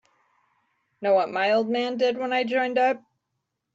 Know what my old man did when I joined up?